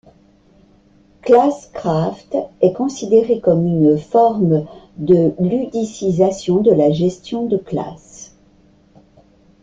Classcraft est considéré comme une forme de ludicisation de la gestion de classe.